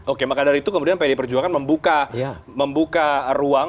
oke maka dari itu kemudian pdi perjuangan membuka ruang